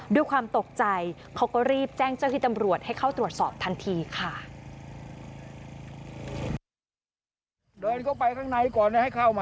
ด้วยความตกใจเขาก็รีบแจ้งเจ้าที่ตำรวจให้เข้าตรวจสอบทันทีค่ะ